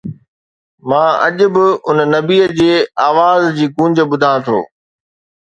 مان اڄ به ان نبيءَ جي آواز جي گونج ٻڌان ٿو.